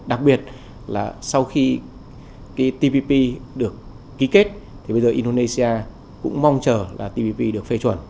đặc biệt là sau khi tpp được ký kết thì bây giờ indonesia cũng mong chờ là tv được phê chuẩn